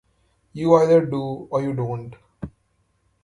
You either do or you don't.